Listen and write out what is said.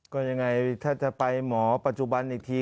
ก็ยังไงถ้าจะไปหมอปัจจุบันอีกที